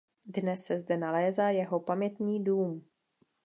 Dnes se zde nalézá jeho pamětní dům.